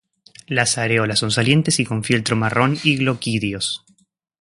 Las areolas son salientes y con fieltro marrón y gloquidios.